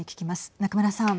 中村さん。